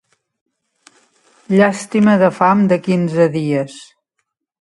Llàstima de fam de quinze dies.